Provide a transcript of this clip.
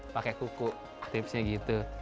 pakai kuku tipsnya gitu